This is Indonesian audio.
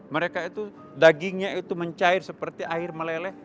mereka itu dagingnya itu mencair seperti air meleleh